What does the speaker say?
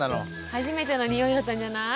初めてのにおいだったんじゃない？